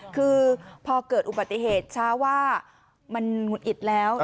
คือพอเกิดอุบัติเหตุช้าว่ามันหุดหงิดแล้ว